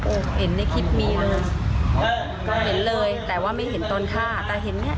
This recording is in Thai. เห็นในคลิปเมียก็เห็นเลยแต่ว่าไม่เห็นตอนฆ่าแต่เห็นเนี้ย